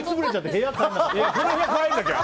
部屋に帰らなきゃ。